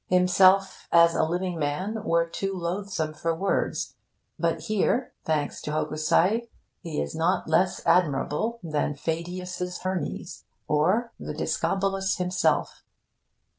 Himself, as a living man, were too loathsome for words; but here, thanks to Hokusai, he is not less admirable than Pheidias' Hermes, or the Discobolus himself.